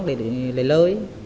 để lấy lời